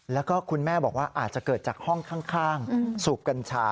แล้วก็คุณแม่บอกว่าอาจจะเกิดจากห้องข้างสูบกัญชา